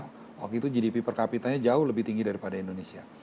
waktu itu gdp per kapitanya jauh lebih tinggi daripada indonesia